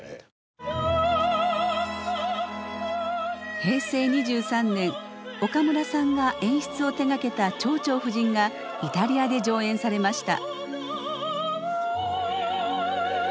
平成２３年岡村さんが演出を手がけた「蝶々夫人」がイタリアで上演されました。